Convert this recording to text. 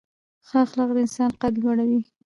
ښه اخلاق د انسان قدر لوړوي.